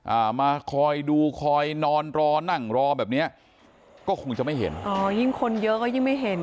อ่ามาคอยดูคอยนอนรอนั่งรอแบบเนี้ยก็คงจะไม่เห็นอ๋อยิ่งคนเยอะก็ยิ่งไม่เห็น